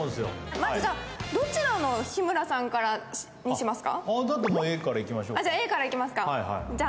まず、どちらの日村さんからにしますか？